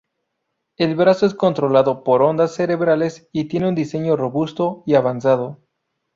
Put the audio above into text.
El brazo es controlado por ondas cerebrales y tiene un diseño robusto y avanzado.